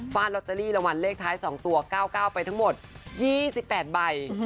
ฝ้านลอตเตอรี่รวรรณเลขท้าย๒ตัว๙๙ไปทั้งหมด๒๘ใบ